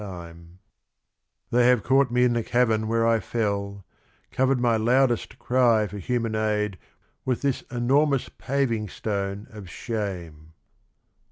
66 THE RING AND THE BOOK They have caught me in the cavern where I fell, Covered my loudest cry for human aid With this enormous paving stone of shame.